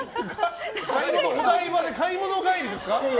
買物帰りですか？